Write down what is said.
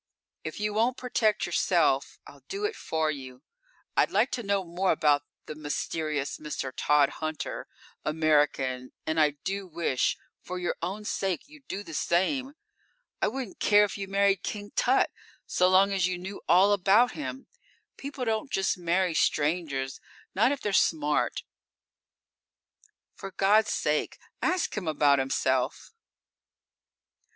If you won't protect yourself, I'll do it for you. I'd like to know more about the mysterious Mr. Tod Hunter, American, and I do wish, for your own sake, you'd do the same. I wouldn't care if you married King Tut, so long as you knew all about him. People just don't marry strangers; not if they're smart. For God's sake, ask him about himself!"